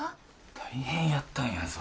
大変やったんやぞ